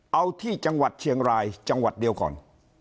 เอาที่จังหวัดเชียงรายจังหวัดเดียวก่อน